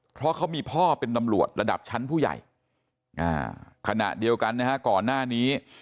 เพราะเขามีพ่อเป็นตำรวจระดับชั้นผู้ใหญ่ขณะเดียวกันนะฮะก่อนหน้านี้